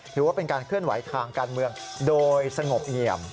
ถือว่าเป็นการเคลื่อนไหวทางการเมืองโดยสงบเงี่ยม